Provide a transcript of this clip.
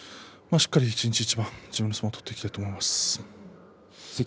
しっかり自分の相撲を取っていきたいと思います。